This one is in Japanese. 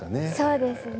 そうですね。